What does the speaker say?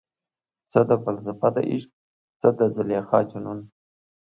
څه ده فلسفه دعشق، څه د زلیخا جنون؟